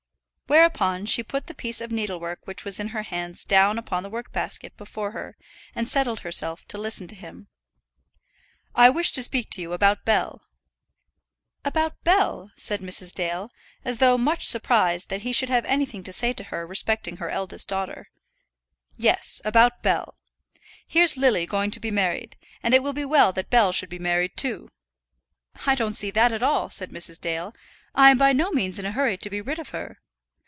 Whereupon she put the piece of needlework which was in her hands down upon the work basket before her, and settled herself to listen to him. "I wish to speak to you about Bell." "About Bell?" said Mrs. Dale, as though much surprised that he should have anything to say to her respecting her eldest daughter. "Yes, about Bell. Here's Lily going to be married, and it will be well that Bell should be married too." "I don't see that at all," said Mrs. Dale. "I am by no means in a hurry to be rid of her."